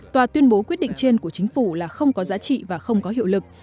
tòa tuyên bố quyết định trên của chính phủ là không có giá trị và không có hiệu lực